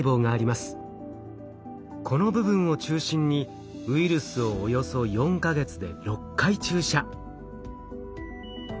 この部分を中心にウイルスをおよそ４か月で６回注射。